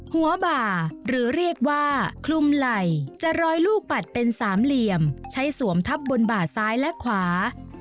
บ่าหรือเรียกว่าคลุมไหล่จะร้อยลูกปัดเป็นสามเหลี่ยมใช้สวมทับบนบ่าซ้ายและขวา